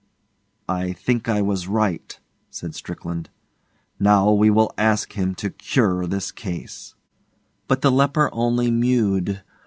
'I think I was right,' said Strickland. 'Now we will ask him to cure this case.' But the leper only mewed.